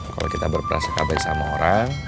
kalau kita berperasa kata sama orang